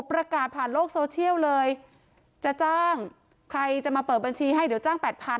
ประกาศผ่านโลกโซเชียลเลยจะจ้างใครจะมาเปิดบัญชีให้เดี๋ยวจ้างแปดพัน